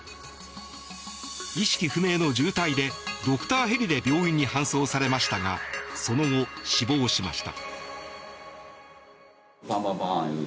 意識不明の重体でドクターヘリで病院に搬送されましたがその後、死亡しました。